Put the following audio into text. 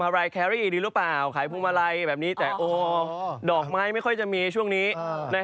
อาหร่ายแคเครียดีเหรอว่าอาหร่ายแคเครียดีหรือเปล่า